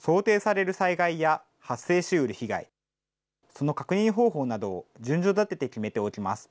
想定される災害や発生しうる被害、その確認方法などを順序立てて決めておきます。